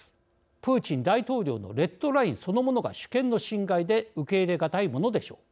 プーチン大統領のレッドラインそのものが主権の侵害で受け入れがたいものでしょう。